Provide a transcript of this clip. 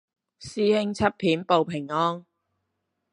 師兄出片報平安